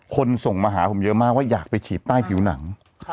ส่งมาหาผมเยอะมากว่าอยากไปฉีดใต้ผิวหนัง